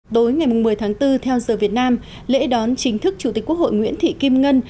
tối ngày một mươi tháng bốn theo giờ việt nam lễ đón chính thức chủ tịch quốc hội nguyễn thị kim ngân